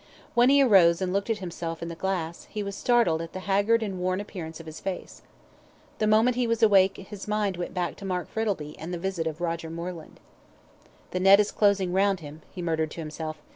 When he arose and looked at himself in the glass, he was startled at the haggard and worn appearance of his face. The moment he was awake his mind went back to Mark Frettlby and the visit of Roger Moreland. "The net is closing round him," he murmured to himself.